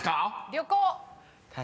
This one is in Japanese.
「旅行」！